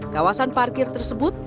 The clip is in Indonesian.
kawasan parkir tersebut